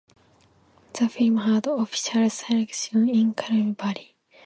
The film had official selection in Karlovy Vary.